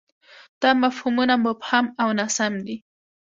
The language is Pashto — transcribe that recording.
دا مفهومونه مبهم او ناسم دي.